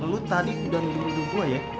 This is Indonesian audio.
lo tadi udah ngeduduk gue ya